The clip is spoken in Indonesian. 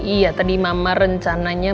iya tadi mama rencananya